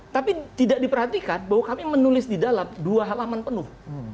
tapi tidak diperhatikan bahwa kami menulis di dalam dua halaman penuh